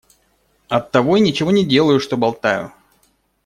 Оттого и ничего не делаю, что болтаю.